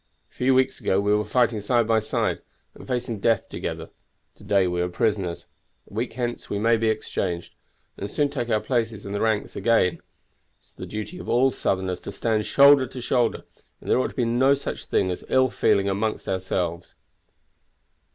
A few weeks ago we were fighting side by side, and facing death together; to day we are prisoners; a week hence we may be exchanged, and soon take our places in the ranks again. It's the duty of all Southerners to stand shoulder to shoulder, and there ought to be no such thing as ill feeling among ourselves."